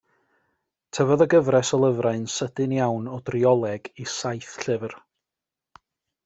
Tyfodd y gyfres o lyfrau'n sydyn iawn o drioleg i saith llyfr.